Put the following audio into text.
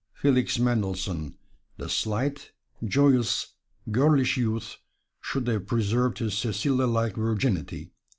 Felix Mendelssohn, the slight, joyous, girlish youth, should have preserved his Cecilia like virginity.